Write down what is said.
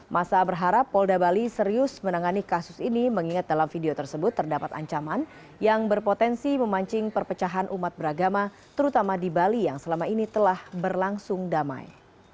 masa berharap polda bali serius menangani kasus ini mengingat dalam video tersebut terdapat ancaman yang berpotensi memancing perpecahan umat beragama terutama di bali yang selama ini telah berlangsung damai